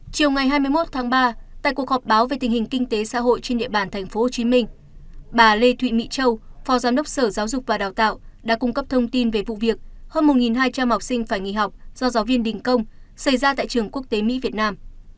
chiều ngày hai mươi một tháng ba tại cuộc họp báo về tình hình kinh tế xã hội trên địa bàn tp hcm bà lê thụy mỹ châu phó giám đốc sở giáo dục và đào tạo đã cung cấp thông tin về vụ việc hơn một hai trăm linh học sinh phải nghỉ học do giáo viên đình công xảy ra tại trường quốc tế mỹ việt nam